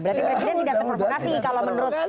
berarti presiden tidak terprovokasi kalau menurut